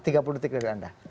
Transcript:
tiga puluh detik dari anda